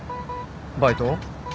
バイトを？